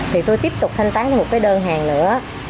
thì tôi tiếp tục thanh toán một cái đơn hàng nữa